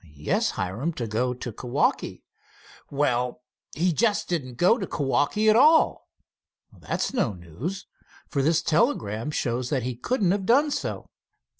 "Yes, Hiram, to go to Kewaukee." "Well, he just didn't go to Kewaukee at all." "That's no news, for this telegram shows that couldn't have done so."